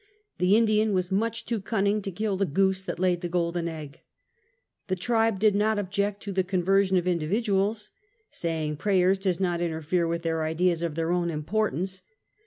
The Indian was much too cunning to kill the goose that laid the golden egg. The tribe do not object to the conversion of individu als. Saying prayers does not interfere with their ideas of their own importance.